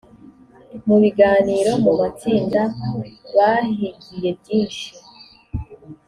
mu biganiro mu matsinda bahigiye byinshi